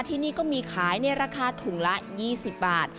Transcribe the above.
ที่นี่ก็มีขายในราคาถุงละ๒๐บาท